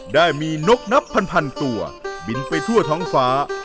ได้มีนกนับพันตัวบินไปทั่วท้องฟ้า